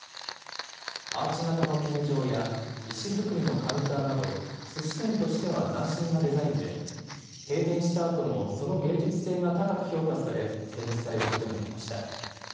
アーチ型の天井や石造りのカウンターなどすし店としては斬新なデザインで閉店したあともその芸術性が高く評価され展示されることになりました。